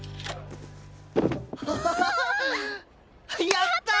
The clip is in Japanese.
やったー！